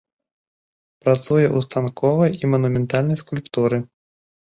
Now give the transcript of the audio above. Працуе ў станковай і манументальнай скульптуры.